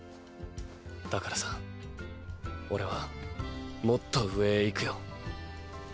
だからさ俺はもっと上へ行くよ。